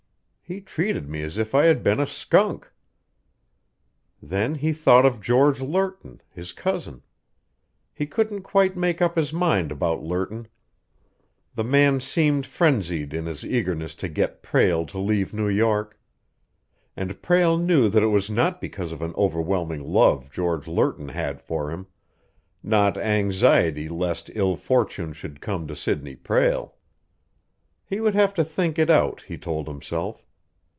He treated me as if I had been a skunk." Then he thought of George Lerton, his cousin. He couldn't quite make up his mind about Lerton. The man seemed frenzied in his eagerness to get Prale to leave New York. And Prale knew that it was not because of an overwhelming love George Lerton had for him, not anxiety lest ill fortune should come to Sidney Prale. He would have to think it out, he told himself.